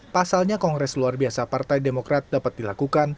pasalnya kongres luar biasa partai demokrat dapat dilakukan